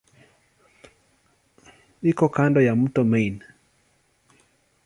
Iko kando ya mto Main.